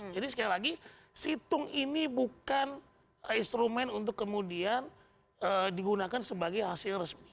jadi sekali lagi situng ini bukan instrumen untuk kemudian digunakan sebagai hasil resmi